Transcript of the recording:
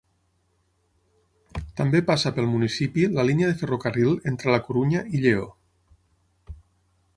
També passa pel municipi la línia de ferrocarril entre la Corunya i Lleó.